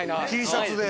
Ｔシャツで。